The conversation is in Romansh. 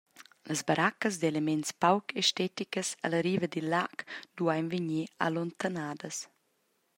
Las baraccas d’elements pauc esteticas alla riva dil lag duein vegnir allontanadas.